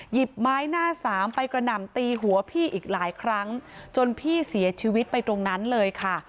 หยิบไม้หน้าสามไปกระหน่ำตีหัวพี่อีกหลายครั้งจนพี่เสียชีวิตไปตรงนั้นเลยค่ะ